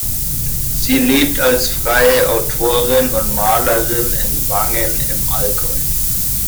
Sie lebt als freie Autorin und Malerin in Wangen im Allgäu.